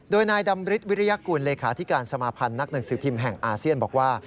โดยนายดำริยากุลเลขาธิการสมาพันธ์นักหนังสือพิมพ์แห่งอาเซียนบอกว่า